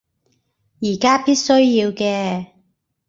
而家必須要嘅